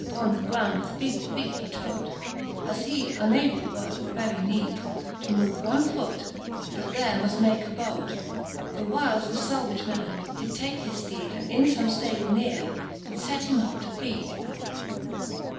Upon the ground with feeble feete he trode, As he unable were for very neede To move one foote, but there muft make abode j The whiles the falvage man did take his fteede, And in fome ftable neare did fet him up to feede.